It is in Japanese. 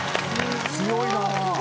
強いなぁ。